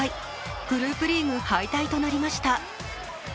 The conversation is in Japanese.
グループリーグ敗退となりました。